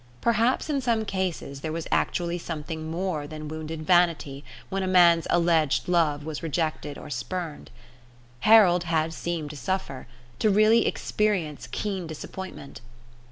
Perhaps in some cases there was actually something more than wounded vanity when a man's alleged love was rejected or spurned. Harold had seemed to suffer, to really experience keen disappointment.